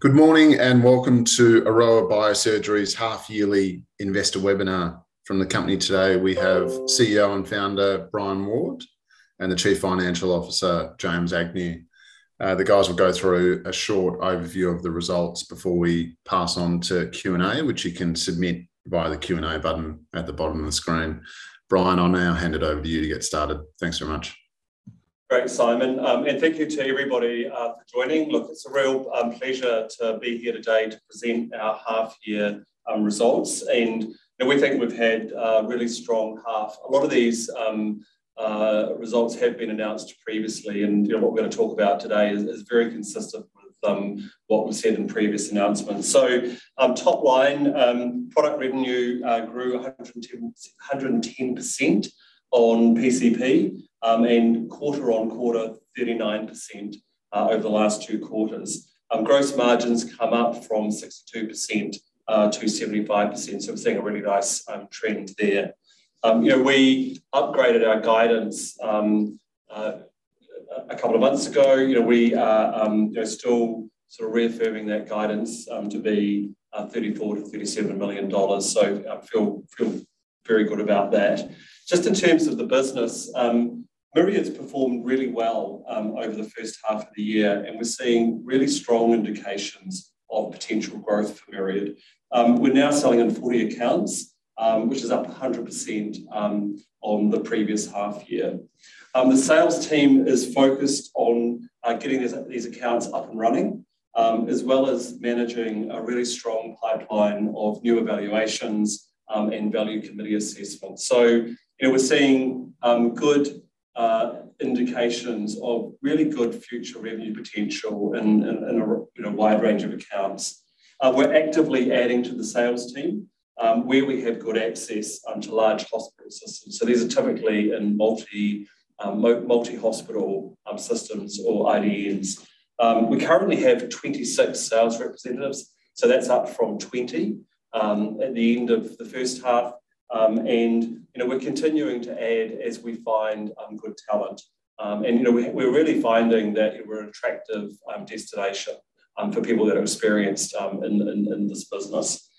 Good morning, and welcome to Aroa Biosurgery's half-yearly investor webinar. From the company today, we have CEO and Founder, Brian Ward, and the Chief Financial Officer, James Agnew. The guys will go through a short overview of the results before we pass on to Q&A, which you can submit via the Q&A button at the bottom of the screen. Brian, I'll now hand it over to you to get started. Thanks very much. Great, Simon. Thank you to everybody for joining. Look, it's a real pleasure to be here today to present our half-year results. You know, we think we've had a really strong half. A lot of these results have been announced previously, and you know, what we're gonna talk about today is very consistent with what was said in previous announcements. Top line product revenue grew 110% on PCP, and quarter-on-quarter 39% over the last two quarters. Gross margins come up from 62%-75%. We're seeing a really nice trend there. You know, we upgraded our guidance a couple of months ago. You know, we are, you know, still sort of reaffirming that guidance, to be, 34 million-37 million dollars. I feel very good about that. Just in terms of the business, Myriad's performed really well, over the first half of the year, and we're seeing really strong indications of potential growth for Myriad. We're now selling in 40 accounts, which is up 100%, on the previous half year. The sales team is focused on getting these accounts up and running, as well as managing a really strong pipeline of new evaluations, and value committee assessments. You know, we're seeing good indications of really good future revenue potential in a, you know, wide range of accounts. We're actively adding to the sales team where we have good access to large hospital systems. These are typically in multi-hospital systems or IDNs. We currently have 26 sales representatives, that's up from 20 at the end of the first half. You know, we're continuing to add as we find good talent. You know, we're really finding that we're an attractive destination for people that are experienced in this business.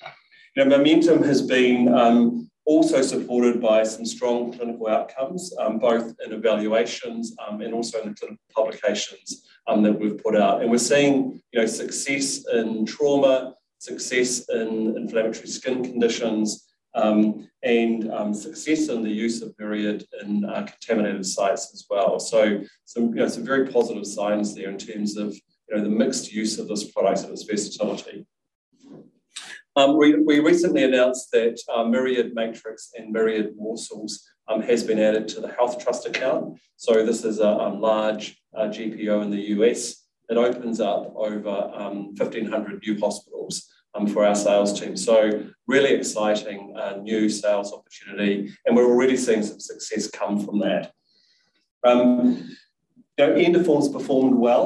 You know, momentum has been also supported by some strong clinical outcomes both in evaluations and also in the clinical publications that we've put out. We're seeing, you know, success in trauma, success in inflammatory skin conditions, and success in the use of Myriad in contaminated sites as well. Some, you know, some very positive signs there in terms of, you know, the mixed use of this product and its versatility. We recently announced that Myriad Matrix and Myriad Morcells has been added to the HealthTrust account. This is a large GPO in the U.S. It opens up over 1,500 new hospitals for our sales team. Really exciting new sales opportunity, and we're already seeing some success come from that. You know, Endoform's performed well.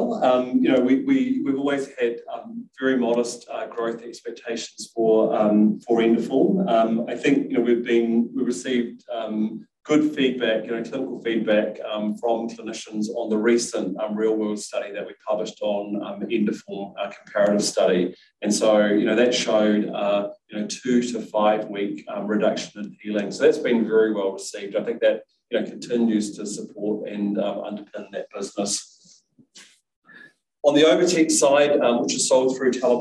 You know, we've always had very modest growth expectations for Endoform. I think, you know, we received good feedback, you know, clinical feedback from clinicians on the recent real-world study that we published on Endoform, comparative study. You know, that showed two- to five-week reduction in healing. That's been very well received. I think that you know continues to support and underpin that business. On the OviTex side, which is sold through TELA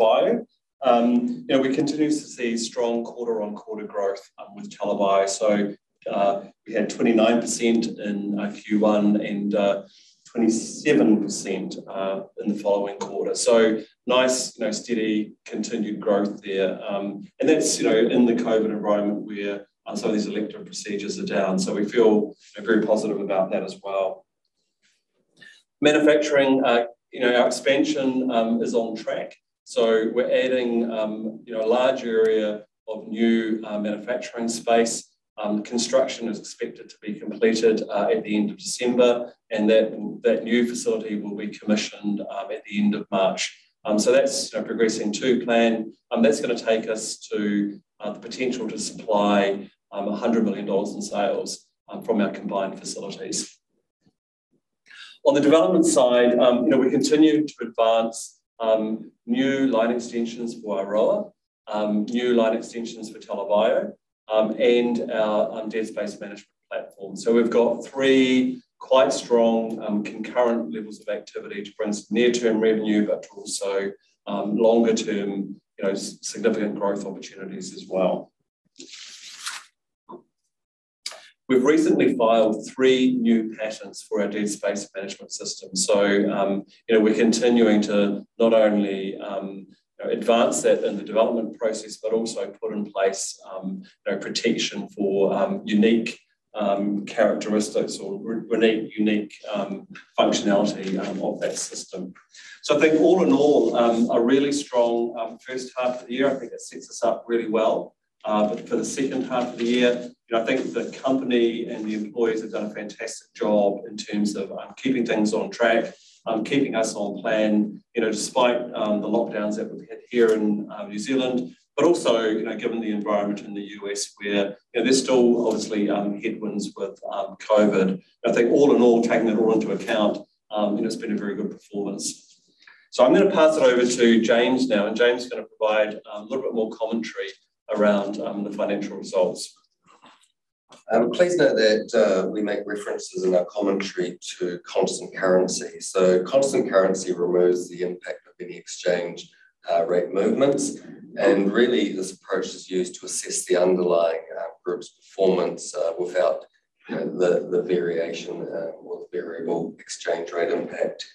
Bio, you know, we continue to see strong quarter-on-quarter growth with TELA Bio. We had 29% in Q1 and 27% in the following quarter. Nice, you know, steady continued growth there. And that's you know in the COVID environment where some of these elective procedures are down. We feel you know very positive about that as well. Manufacturing. You know, our expansion is on track. We're adding you know a large area of new manufacturing space. Construction is expected to be completed at the end of December, and that new facility will be commissioned at the end of March. That's, you know, progressing to plan. That's gonna take us to the potential to supply 100 million dollars in sales from our combined facilities. On the development side, you know, we continue to advance new line extensions for Aroa, new line extensions for TELA Bio, and our dead space management platform. We've got three quite strong concurrent levels of activity to bring some near-term revenue, but also longer-term, you know, significant growth opportunities as well. We've recently filed three new patents for our dead space management system. We're continuing to not only, you know, advance that in the development process, but also put in place, you know, protection for unique characteristics or unique functionality of that system. I think all in all, a really strong first half of the year. I think that sets us up really well for the second half of the year. You know, I think the company and the employees have done a fantastic job in terms of keeping things on track, keeping us on plan, you know, despite the lockdowns that we've had here in New Zealand. Also, you know, given the environment in the U.S. where, you know, there's still obviously headwinds with COVID. I think all in all, taking it all into account, you know, it's been a very good performance. I'm gonna pass it over to James now, and James is gonna provide a little bit more commentary around the financial results. Please note that we make references in our commentary to constant currency. Constant currency removes the impact of any exchange rate movements, and really this approach is used to assess the underlying group's performance without, you know, the variation or variable exchange rate impact.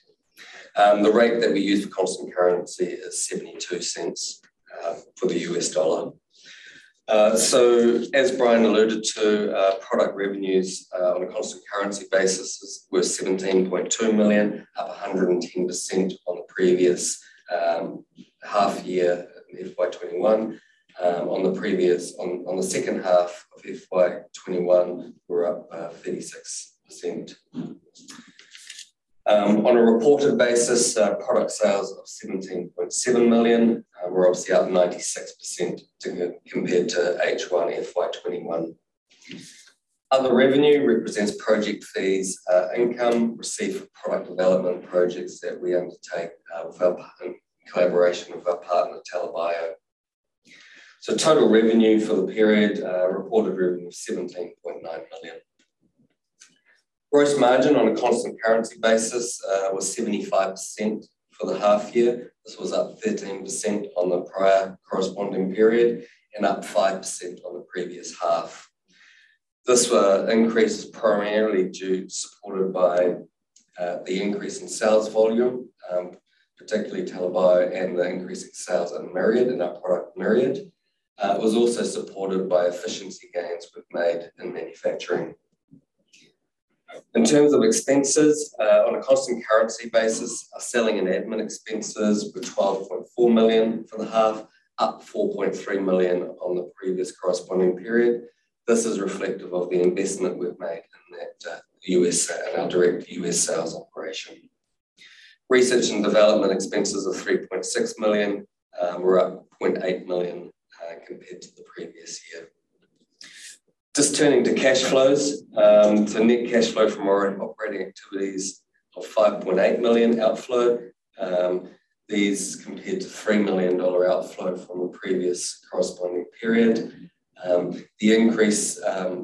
The rate that we use for constant currency is $0.72 for the U.S. dollar. As Brian alluded to, product revenues on a constant currency basis were 17.2 million, up 110% on the previous half year, FY 2021. On the second half of FY 2021 we're up 36%. On a reported basis, product sales of 17.7 million. We're obviously up 96% compared to H1 FY 2021. Other revenue represents project fees, income received from product development projects that we undertake, in collaboration with our partner, TELA Bio. Total revenue for the period, reported revenue of 17.9 million. Gross margin on a constant currency basis was 75% for the half year. This was up 13% on the prior corresponding period and up 5% on the previous half. This increase is primarily supported by the increase in sales volume, particularly TELA Bio and the increase in sales in Myriad, in our product Myriad. It was also supported by efficiency gains we've made in manufacturing. In terms of expenses, on a constant currency basis, our selling and admin expenses were 12.4 million for the half, up 4.3 million on the previous corresponding period. This is reflective of the investment we've made in that, in our direct U.S. sales operation. Research and development expenses of 3.6 million, we're up 0.8 million compared to the previous year. Just turning to cash flows. Net cash flow from our own operating activities of 5.8 million outflow. This compared to 3 million dollar outflow from the previous corresponding period. The increase,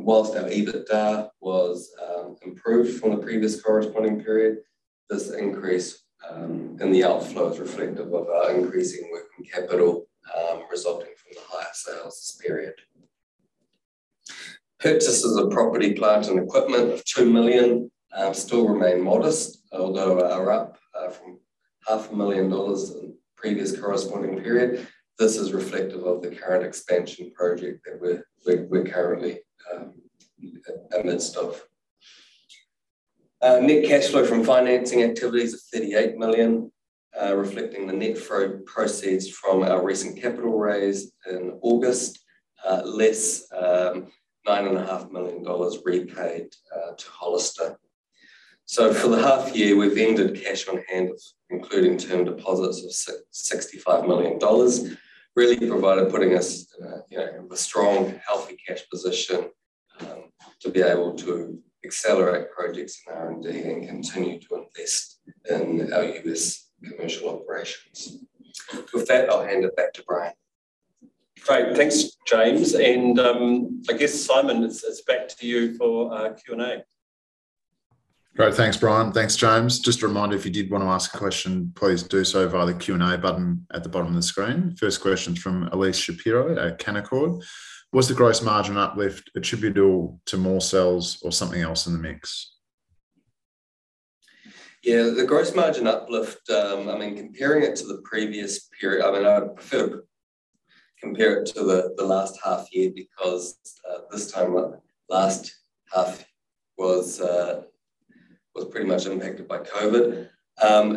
while our EBITDA was improved from the previous corresponding period. This increase in the outflow is reflective of our increasing working capital resulting from the higher sales this period. Purchases of property, plant and equipment of 2 million still remain modest, although are up from NZD half a million dollars in the previous corresponding period. This is reflective of the current expansion project that we're currently amidst of. Net cash flow from financing activities of $38 million, reflecting the net proceeds from our recent capital raise in August. Less $9.5 million repaid to Hollister. For the half year we've ended cash on hand including term deposits of $65 million. Putting us in a strong healthy cash position to be able to accelerate projects in R&D and continue to invest in our U.S. commercial operations. With that, I'll hand it back to Brian. Great. Thanks, James. I guess, Simon, it's back to you for Q&A. Great. Thanks, Brian. Thanks, James. Just a reminder, if you did want to ask a question, please do so via the Q&A button at the bottom of the screen. First question from Elyse Shapiro at Canaccord. What's the gross margin uplift attributable to more sales or something else in the mix? Yeah. The gross margin uplift, I mean, comparing it to the previous period, I mean, I would prefer compare it to the last half year because this time last half was pretty much impacted by COVID.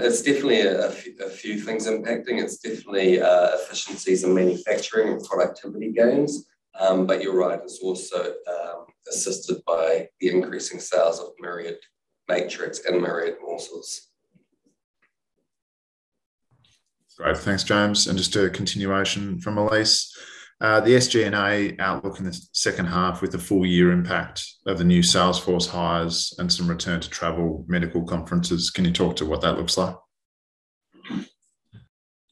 It's definitely a few things impacting. It's definitely efficiencies in manufacturing and productivity gains. You're right, it's also assisted by the increasing sales of Myriad Matrix and Myriad Morcells. Great. Thanks, James. Just a continuation from Elyse. The SG&A outlook in the second half with the full year impact of the new sales force hires and some return to travel medical conferences. Can you talk to what that looks like?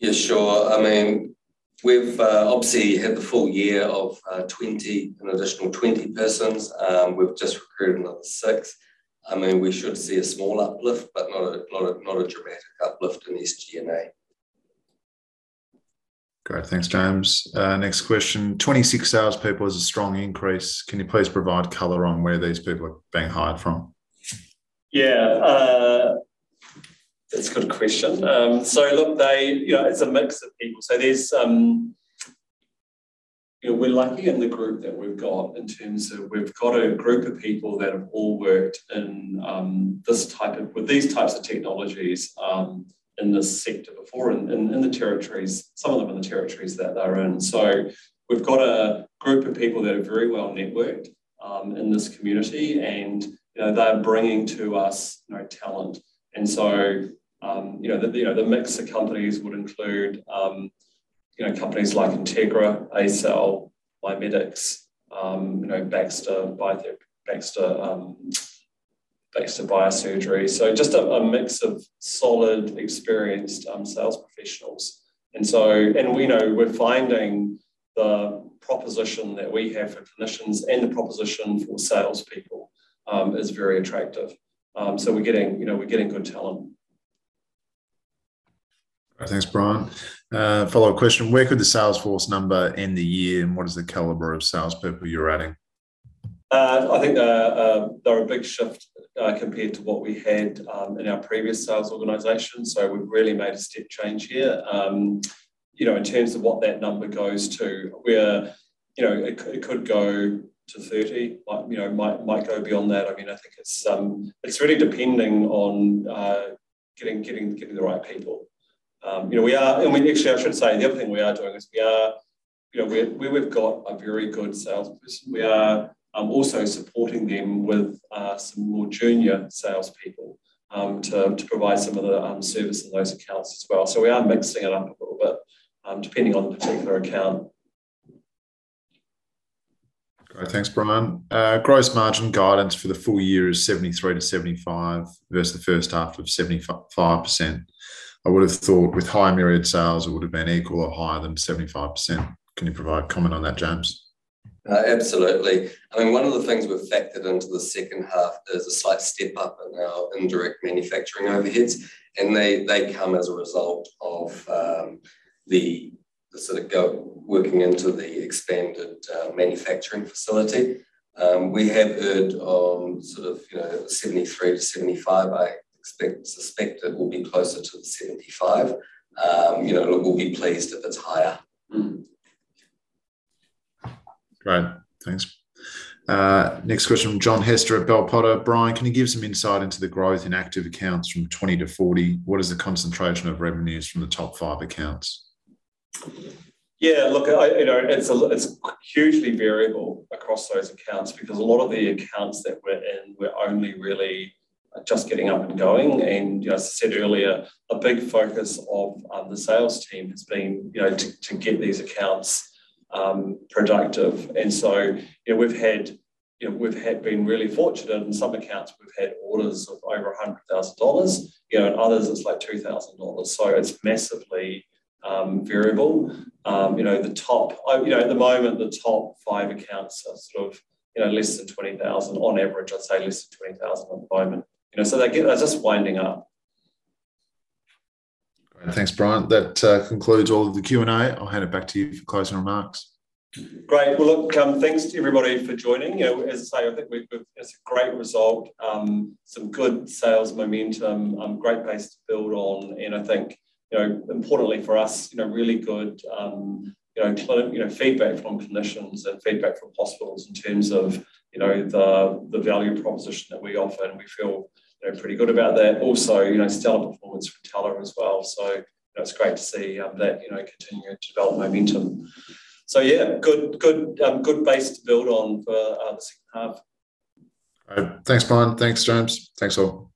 Yeah, sure. I mean, we've obviously had the full year of an additional 20 persons. We've just recruited another six. I mean, we should see a small uplift but not a dramatic uplift in SG&A. Great. Thanks, James. Next question. 26 sales people is a strong increase. Can you please provide color on where these people are being hired from? Yeah. That's a good question. So look, they, you know, it's a mix of people. So there's, you know, we're lucky in the group that we've got in terms of we've got a group of people that have all worked in with these types of technologies in this sector before, in the territories, some of them in the territories that they're in. So we've got a group of people that are very well networked in this community and, you know, they're bringing to us, you know, talent. You know, the mix of companies would include, you know, companies like Integra, ACell, Biomedics, you know, Baxter BioSurgery. So just a mix of solid, experienced sales professionals. We know we're finding the proposition that we have for clinicians and the proposition for salespeople is very attractive. We're getting, you know, good talent. Thanks, Brian. Follow-up question: Where could the sales force number end in the year, and what is the caliber of salespeople you're adding? I think they're a big shift compared to what we had in our previous sales organization, so we've really made a step change here. You know, in terms of what that number goes to, we're, you know, it could go to 30. Might, you know, might go beyond that. I mean, I think it's really depending on getting the right people. You know, actually, I should say, the other thing we are doing is we are, you know, where we've got a very good salesperson, we are also supporting them with some more junior salespeople to provide some of the service in those accounts as well. We are mixing it up a little bit depending on the particular account. Great. Thanks, Brian. Gross margin guidance for the full year is 73%-75% versus the first half of 75%. I would've thought with higher Myriad sales, it would've been equal or higher than 75%. Can you provide comment on that, James? Absolutely. I mean, one of the things we've factored into the second half is a slight step up in our indirect manufacturing overheads, and they come as a result of the sort of going into the expanded manufacturing facility. We have guided sort of you know 73%-75%. I expect I suspect it will be closer to the 75%. You know, look, we'll be pleased if it's higher. Great. Thanks. Next question from John Hester at Bell Potter. Brian, can you give some insight into the growth in active accounts from 20 to 40? What is the concentration of revenues from the top five accounts? Yeah, look, I you know it's hugely variable across those accounts because a lot of the accounts that we're in, we're only really just getting up and going. As I said earlier, a big focus of the sales team has been you know to get these accounts productive. We've been really fortunate. In some accounts we've had orders of over $100,000. You know, in others it's like $2,000. It's massively variable. You know the top five accounts are sort of you know less than $20,000 on average. I'd say less than $20,000 at the moment. You know, so they're just winding up. Thanks, Brian. That concludes all of the Q&A. I'll hand it back to you for closing remarks. Great. Well, look, thanks to everybody for joining. You know, as I say, I think we've. It's a great result. Some good sales momentum, great base to build on, and I think, you know, importantly for us, you know, really good, you know, feedback from clinicians and feedback from hospitals in terms of, you know, the value proposition that we offer. We feel, you know, pretty good about that. Also, you know, stellar performance from TELA as well. You know, it's great to see that, you know, continuing to develop momentum. Yeah. Good base to build on for the second half. All right. Thanks, Brian. Thanks, James. Thanks, all.